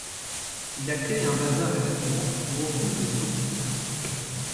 Il a créé un bazar et restaurant où on trouve les tourtes.